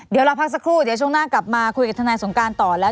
เดี๋ยวเราพักสักครู่เดี๋ยวช่วงหน้ากลับมาคุยกับทนายสงการต่อแล้ว